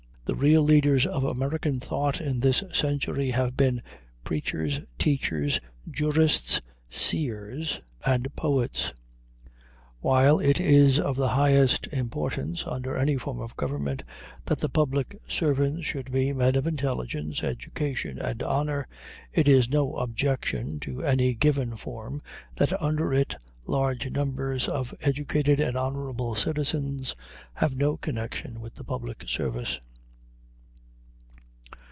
The real leaders of American thought in this century have been preachers, teachers, jurists, seers, and poets. While it is of the highest importance, under any form of government, that the public servants should be men of intelligence, education, and honor, it is no objection to any given form, that under it large numbers of educated and honorable citizens have no connection with the public service.